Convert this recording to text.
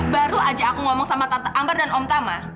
baru aja aku ngomong sama tante ambar dan omtama